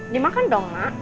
dimakan dong mak